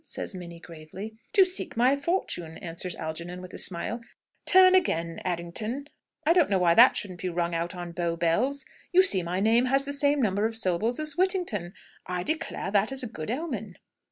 says Minnie gravely. "To seek my fortune!" answers Algernon, with a smile. "Turn a gain, Er ring ton I don't know why that shouldn't be rung out on Bow Bells. You see my name has the same number of syllables as Whit ting ton! I declare that is a good omen!"